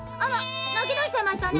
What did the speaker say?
なきだしちゃいましたね。